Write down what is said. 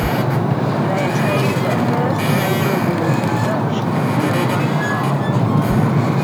They attained their first major award, the Dutch "Silver Harp".